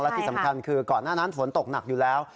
และที่สำคัญคือก่อนหน้านั้นฝนตกหนักอยู่แล้ว